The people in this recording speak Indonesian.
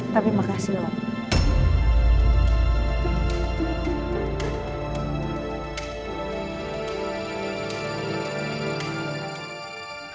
tapi makasih loh